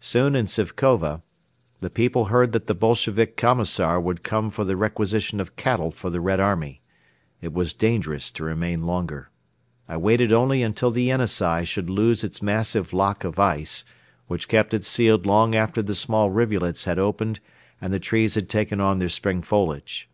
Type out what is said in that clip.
Soon in Sifkova the people heard that the Bolshevik commissar would come for the requisition of cattle for the Red Army. It was dangerous to remain longer. I waited only until the Yenisei should lose its massive lock of ice, which kept it sealed long after the small rivulets had opened and the trees had taken on their spring foliage.